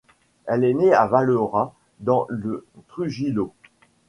Elle est née à Valera, dans le Trujillo.